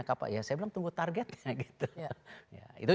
saya bilang tunggu targetnya gitu